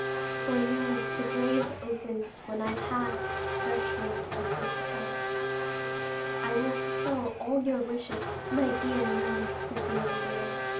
For me the grave opens when I pass the threshold of this house." "I will fulfil all your wishes, my dear mother," said the young man.